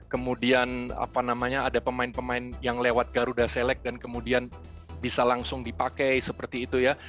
kemudian apa namanya ada pemain pemain yang lewat garuda select dan kemudian bisa langsung dipakai seperti itu ya